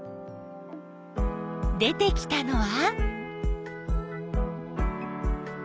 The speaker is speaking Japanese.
出てきたのは？